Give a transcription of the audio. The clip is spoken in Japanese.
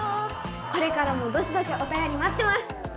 これからもどしどしおたよりまってます！